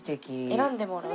選んでもらう。